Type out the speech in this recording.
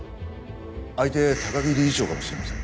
相手高木理事長かもしれません。